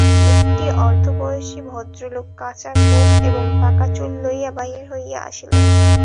একটি অর্ধবয়সী ভদ্রলোক কাঁচা গোঁফ এবং পাকা চুল লইয়া বাহির হইয়া আসিলেন।